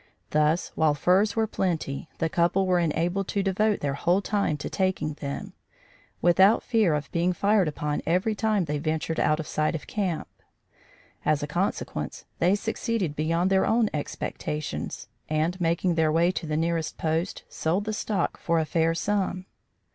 Thus, while furs were plenty, the couple were enabled to devote their whole time to taking them, without fear of being fired upon every time they ventured out of sight of camp. As a consequence, they succeeded beyond their own expectations, and, making their way to the nearest post, sold the stock for a fair sum.